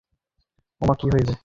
মঙ্গলা কহিল, ও মা কী হইবে।